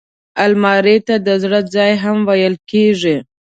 الماري ته د زړه ځای هم ویل کېږي